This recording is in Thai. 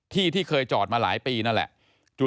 ที่ที่เคยจอดมาหลายปีนั่นแหละ